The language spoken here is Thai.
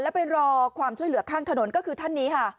แล้วไปรอความช่วยเหลือข้างถนนก็คือท่านนี้ค่ะ